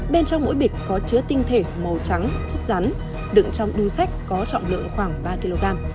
bên trong mỗi bịch có chứa tinh thể màu trắng chất rắn đựng trong đuôi sách có trọng lượng khoảng ba kg